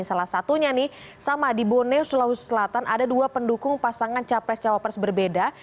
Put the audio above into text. salah satunya nih sama di bone sulawesi selatan ada dua pendukung pasangan capres cawapres berbeda